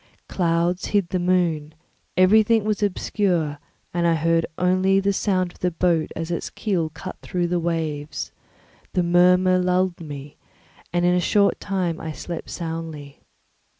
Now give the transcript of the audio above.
Clouds hid the moon, everything was obscure, and I heard only the sound of the boat as its keel cut through the waves; the murmur lulled me, and in a short time I slept soundly.